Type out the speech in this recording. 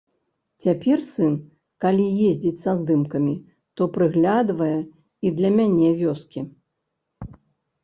Цяпер сын, калі ездзіць са здымкамі, то прыглядвае і для мяне вёскі.